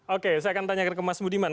oke saya akan tanya ke mas budiman